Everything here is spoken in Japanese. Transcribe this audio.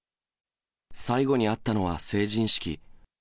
最後に会ったのは成人式。